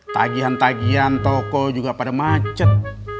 tagihan tagihan toko juga pada macet